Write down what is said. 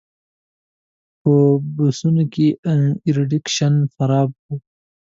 په بسونو کې ایرکنډیشن خراب و.